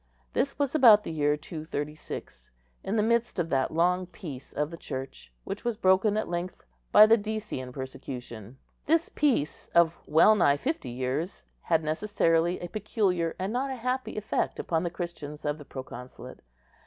This was about the year 236, in the midst of that long peace of the Church, which was broken at length by the Decian persecution. This peace of well nigh fifty years had necessarily a peculiar, and not a happy effect upon the Christians of the proconsulate.